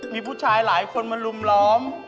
มีผู้ชายหลายคนมาลุมล้อม